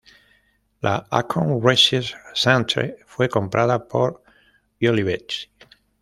La "Acorn Research Centre" fue comprada por Olivetti.